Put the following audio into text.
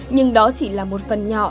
nhưng đó chỉ là một phần nhỏ